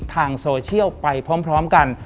ทางโซเชียลไปพร้อมกัน